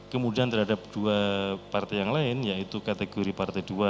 kemudian terhadap dua partai yang lain yaitu kategori partai dua